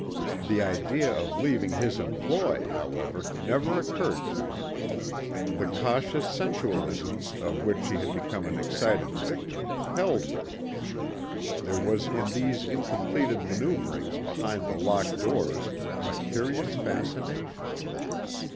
The idea of leaving his employ, however, never occurred to her. The cautious sensualisms of which she had become an excited victim, held her. There was in these incompleted manoeuverings behind the locked doors a curious fascination.